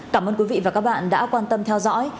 cảm ơn quý vị và các bạn đã quan tâm theo dõi